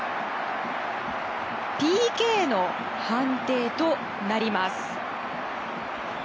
ＰＫの判定となります。